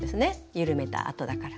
緩めたあとだから。